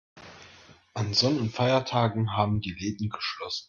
An Sonn- und Feiertagen haben die Läden geschlossen.